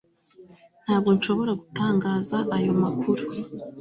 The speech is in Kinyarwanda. ntabwo nshobora gutangaza ayo makuru